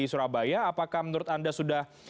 surabaya apakah menurut anda sudah